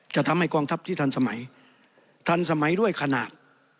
จะทำให้กองทัพที่ทันสมัยทันสมัยด้วยขนาด